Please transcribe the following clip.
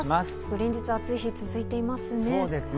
連日、暑い日が続いていますね。